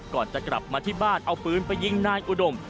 ก่อนจะกลับมาที่บ้านเอาปืนไปยิงนายอุดม